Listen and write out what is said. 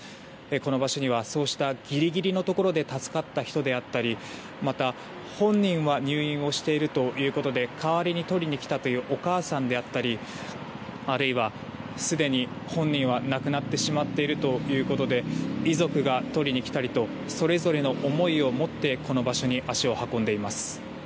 この場所にはそうしたギリギリのところで助かった人だったりまた、本人は入院しているということで代わりに取りに来たというお母さんであったりあるいは、すでに本人は亡くなってしまっているということで遺族が取りに来たりとそれぞれの思いを持ってこの場所に足を運んでいます。